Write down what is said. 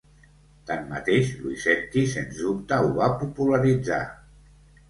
Tanmateix, Luisetti sens dubte ho va popularitzar.